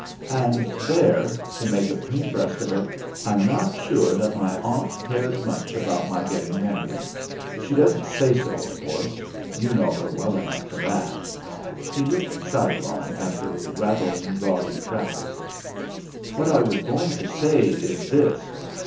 And there to make a clean breast of it, I'm not sure that my aunt cares much about my getting married. She doesn't say so, of course. You know her well enough for that." He looked sidelong at the rattling gaudy traffic. "What I was going to say is this.